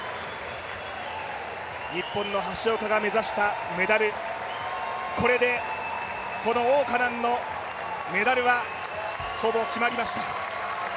日本の橋岡が目指したメダル、これで王嘉男のメダルはほぼ決まりました。